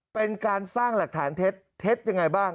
เป็นการสร้างหลักฐานเท็จเท็จยังไงบ้าง